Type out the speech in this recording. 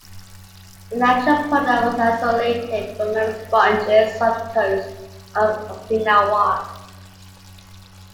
The natural product was isolated from marine sponges off the coast of Okinawa.